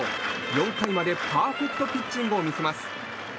４回までパーフェクトピッチングを見せます。